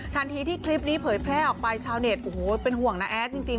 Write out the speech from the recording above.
ทันทีที่คลิปนี้เผยแพร่ออกไปชาวเน็ตโอ้โหเป็นห่วงน้าแอดจริง